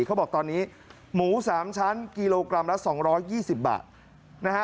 เขาบอกตอนนี้หมู๓ชั้นกิโลกรัมละ๒๒๐บาทนะฮะ